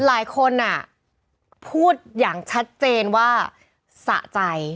หลายคนพูดอย่างชัดเจนว่าสะใจ